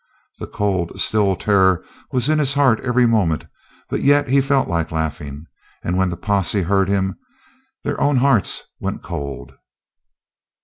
The cold, still terror was in his heart every moment, but yet he felt like laughing, and when the posse heard him their own hearts went cold.